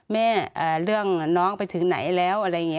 เรื่องน้องไปถึงไหนแล้วอะไรอย่างนี้